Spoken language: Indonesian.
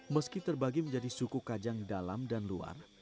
meski terbagi menjadi suku kajang dalam dan luar